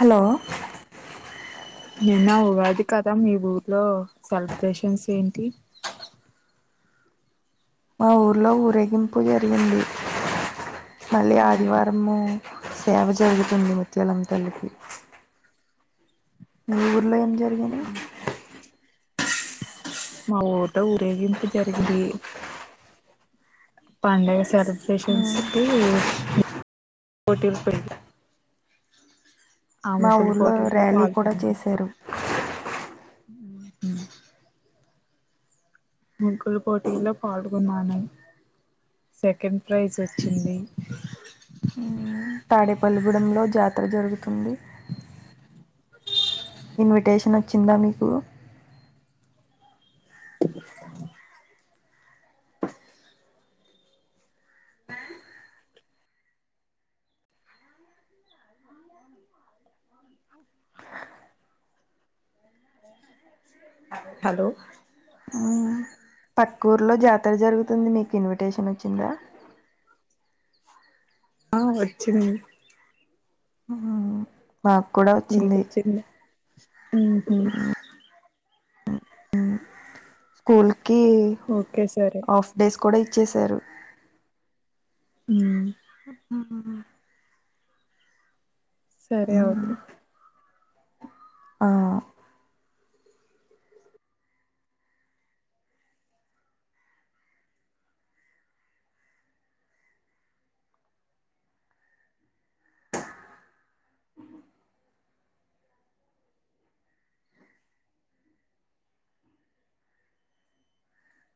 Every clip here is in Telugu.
హలో నిన్న ఉగాది కదా మీ ఊర్లో సెలబ్రేషన్స్ ఏంటి మా ఊర్లో ఊరేగింపు జరిగింది మళ్ళీ ఆదివారము సేవ జరుగుతుంది ముత్యాలమ్మ తల్లికి మీ ఊర్లో ఏం జరిగింది మా ఊట ఊరేగింపు జరిగింది పండగ సెలబ్రేషన్స్ మ్ కి పోటీలు పడి మా ఊర్లో పోటీల్లో ర్యాలీ కూడా పాల్గొన్నాను చేశారు ముగ్గులు పోటీలో పాల్గొన్నాను సెకండ్ ప్రైజ్ వచ్చింది తాడేపల్లి గూడంలో జాతర జరుగుతుంది ఇన్విటేషన్ వచ్చిందా మీకు ఆ ఏ హలో పక్కూర్లో జాతర జరుగుతుంది మీకు ఇన్విటేషన్ వచ్చిందా ఆ వచ్చినది మ్ మాకు కూడా ఇ వచ్చింది స్కూల్ కి ఓకే సరే హాఫ్ డేస్ కూడా ఇచేసారు ఉ సరే మ్ అవుతు ఆ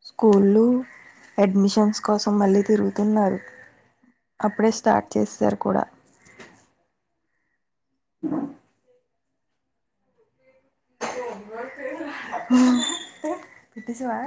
స్కూళు అడ్మిషన్స్ కోసం మళ్ళీ తిరుగుతున్నారు అప్పుడే స్టార్ట్ చేశారు కూడా అ పిటిస ఆ